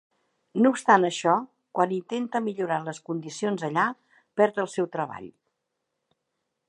No obstant això, quan intenta millorar les condicions allà, perd el seu treball.